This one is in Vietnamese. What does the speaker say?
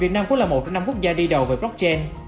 việt nam cũng là một trong năm quốc gia đi đầu với blockchain